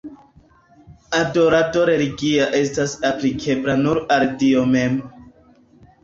Adorado religia estas aplikebla nur al Dio mem.